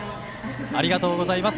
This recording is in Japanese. ありがとうございます。